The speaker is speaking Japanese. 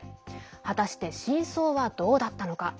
果たして真相はどうだったのか。